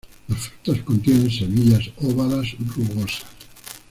Las frutas contienen semillas ovadas rugosas.